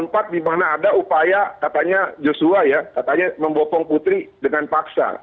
di mana ada upaya katanya joshua ya katanya membopong putri dengan paksa